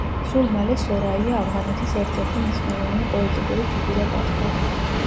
სულ მალე სორაია ავღანეთის ერთ-ერთი მნიშვნელოვანი პოლიტიკური ფიგურა გახდა.